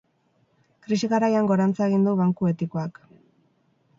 Krisi garaian gorantza egin du banku etikoak.